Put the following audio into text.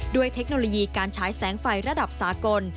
ด้วยเทคโนโลยีการใช้แสงไฟระดับสากล